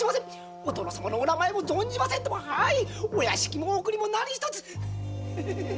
お殿様のお名前も存じませんともお屋敷もお国も何一つ。